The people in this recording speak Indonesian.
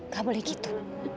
gak boleh gitu